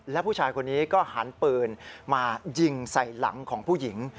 และผู้ชายคนนี้ก็หันปืนมายิงใส่หลังของผู้หญิง